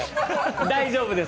大丈夫です。